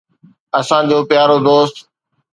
اسان جو پيارو دوست